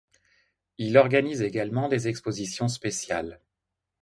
Il organise également des expositions spéciales.